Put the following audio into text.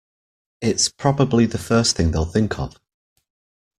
It's probably the first thing they'll think of.